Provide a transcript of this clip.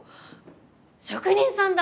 職人さんだ。